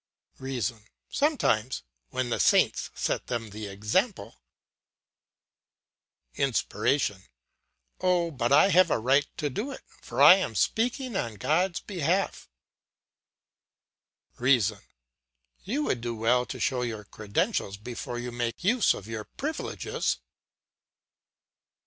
"REASON: Sometimes, when the saints set them the example. "INSPIRATION: Oh, but I have a right to do it, for I am speaking on God's behalf. "REASON: You would do well to show your credentials before you make use of your privileges.